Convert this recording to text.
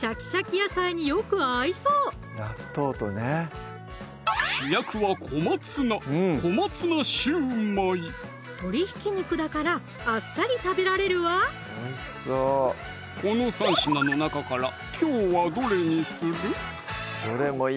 野菜によく合いそう主役は小松菜鶏ひき肉だからあっさり食べられるわこの３品の中からきょうはどれにする？